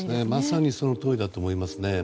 まさにそのとおりだと思いますね。